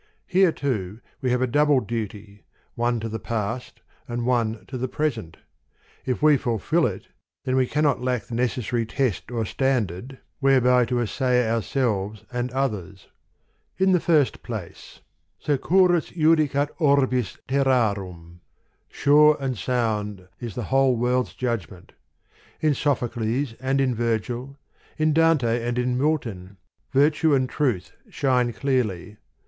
Here too, we have a double duty, one to the past and one to the present : if we fulfil it, then we cannot lack the neces sary test or standard, whereby to assay our THE POEMS OF MR. BRIDGES. selves and others. In the first place : Se curus judicat orbis terrarum : sure and sound is the whole world's judgment : in Sopho cles and in Virgil, in Dante and in Milton, virtue and truth shine clearly.